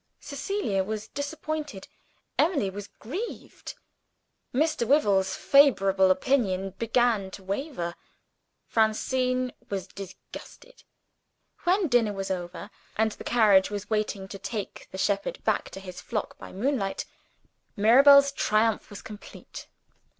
Cecilia was disappointed; Emily was grieved; Mr. Wyvil's favorable opinion began to waver; Francine was disgusted. When dinner was over, and the carriage was waiting to take the shepherd back to his flock by moonlight, Mirabel's triumph was complete.